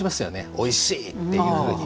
おいしいというふうに。